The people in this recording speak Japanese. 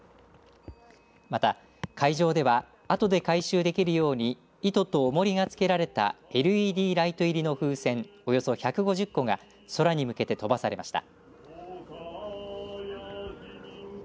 また、会場ではあとで回収できるように糸と重りがつけられたＬＥＤライト入りの風船およそ１５０個が空に向けて飛ばされました。